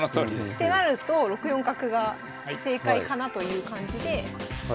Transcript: ってなると６四角が正解かなという感じででこれで。